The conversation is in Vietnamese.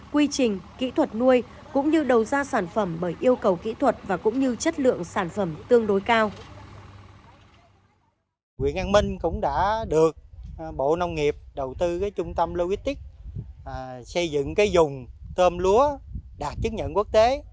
quy trình kỹ thuật nuôi cũng như đầu ra sản phẩm bởi yêu cầu kỹ thuật